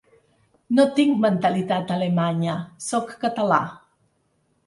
No tinc mentalitat alemanya; sóc català.